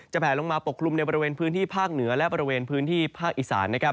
แผลลงมาปกคลุมในบริเวณพื้นที่ภาคเหนือและบริเวณพื้นที่ภาคอีสานนะครับ